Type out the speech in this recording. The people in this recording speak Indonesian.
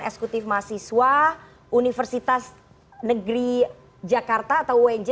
eksekutif mahasiswa universitas negeri jakarta atau unj